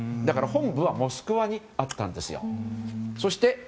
だから本部はモスクワにあったんですよ。